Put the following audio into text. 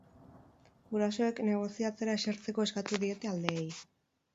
Gurasoek negoziatzera esertzeko eskatu diete aldeei.